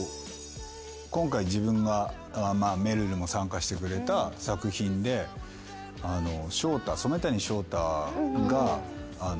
今回自分がめるるも参加してくれた作品で染谷将太が。